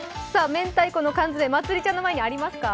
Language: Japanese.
めんたいこの缶詰、まつりちゃんの前にありますか？